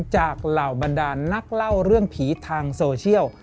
เหล่าบรรดานนักเล่าเรื่องผีทางโซเชียล